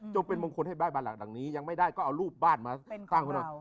เป็นมงคลให้บ้านบ้านหลังนี้ยังไม่ได้ก็เอารูปบ้านมาสร้างคนนั้น